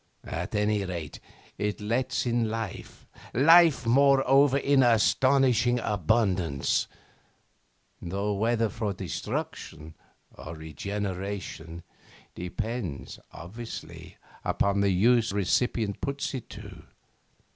At any rate, it lets in life, life moreover in astonishing abundance; though, whether for destruction or regeneration, depends, obviously, upon the use the recipient puts it to.